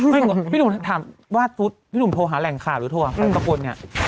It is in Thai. นี่ดูพี่หนุ่มถามว่าพี่หนุ่มโทรหาแหล่งข่าวหรือโทรหาแรงมันนี้